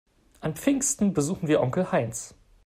An Pfingsten besuchen wir Onkel Heinz.